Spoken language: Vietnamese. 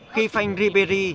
khi phanh ribéry